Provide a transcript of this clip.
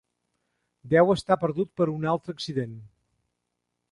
Deu estar perdut per un altre accident.